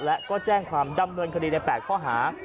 และก็แจ้งความดำเนินคดีใน๘ข้อหา